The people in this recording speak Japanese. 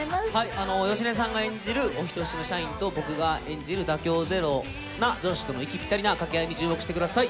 芳根さんが演じるお人よしの社員と、僕が演じる妥協ゼロな上司との息ぴったりな掛け合いに注目してください。